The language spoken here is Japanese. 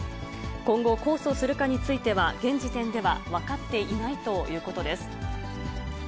今後、控訴するかについては、現時点では分かっていないということです。